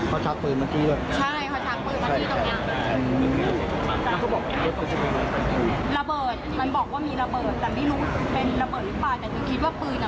ใช่เขาชักปืนมันอยู่ตรงี้แล้วเขาบอกว่าระเบิดมันบอกว่ามีระเบิดแต่ไม่รู้เป็นระเบิดหรือเปล่า